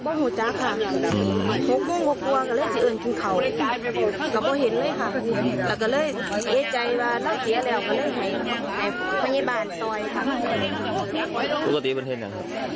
นี่จะแท้กินเขาเหรอแล้วก็จะไปไปนู่นไปต่าง